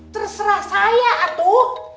terserah saya atuh